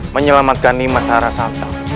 menyelamatkan nimasarara santang